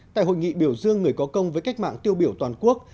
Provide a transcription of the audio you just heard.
tại hội nghị biểu dương người có công với cách mạng tiêu biểu toàn quốc